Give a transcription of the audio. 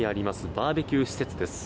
バーベキュー施設です。